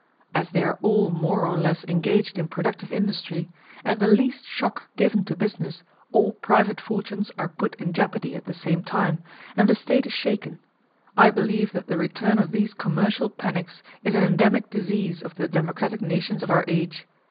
As they are all more or less engaged in productive industry, at the least shock given to business all private fortunes are put in jeopardy at the same time, and the State is shaken. I believe that the return of these commercial panics is an endemic disease of the democratic nations of our age.